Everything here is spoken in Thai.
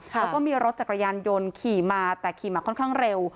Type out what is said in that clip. แล้วก็มีรถจักรยานยนต์ขี่มาแต่ขี่มาค่อนข้างเร็ว